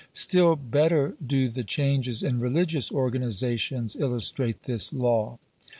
Still better do the changes in religious organizations illustrate this law.